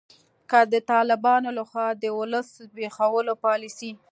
که د طالبانو لخوا د ولس د زبیښولو پالسي